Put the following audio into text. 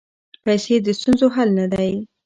پیسې د ستونزو حل نه دی.